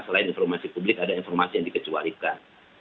selain informasi publik ada informasi yang dikecualikan